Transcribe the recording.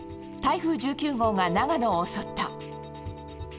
台風１９号が長野を襲った。